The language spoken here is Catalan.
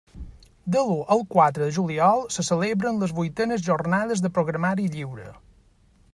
De l'u al quatre de juliol se celebren les vuitenes Jornades de Programari Lliure.